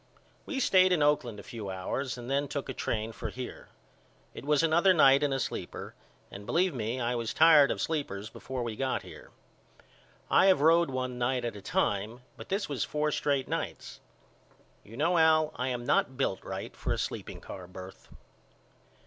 We stayed in Oakland a few hours and then took a train for here. It was another night in a sleeper and believe me I was tired of sleepers before we got here. I have road one night at a time but this was four straight nights. You know Al I am not built right for a sleeping car birth.